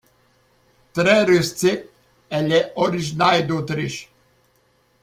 Très rustique, elle est originaire d'Autriche.